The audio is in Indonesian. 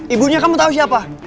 ibunya kamu tau siapa